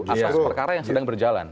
atas perkara yang sedang berjalan